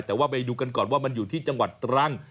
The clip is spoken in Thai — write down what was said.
แต่ว่าไปดูกันก่อนว่ามันอยู่ที่จังหวัดตรัง